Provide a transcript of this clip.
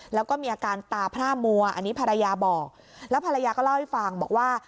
แล้วก็มีอาการตาพร่ามัวอันนี้ภรรยาบอกแล้วภรรยาก็เล่าให้ฟังบอกว่า